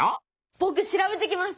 ぼく調べてきます。